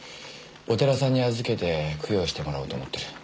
お寺さんに預けて供養してもらおうと思ってる。